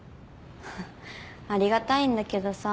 ありがたいんだけどさ。